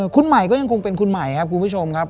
คุณใหม่ก็ยังคงเป็นคุณใหม่ครับคุณผู้ชมครับ